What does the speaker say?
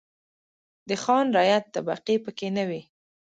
د خان-رعیت طبقې پکې نه وې.